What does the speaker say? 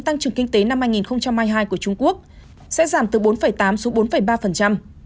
tăng trưởng kinh tế năm hai nghìn hai mươi hai của trung quốc sẽ giảm từ bốn tám xuống bốn ba